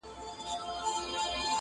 د دې خوب تعبير يې ورکه شیخ صاحبه.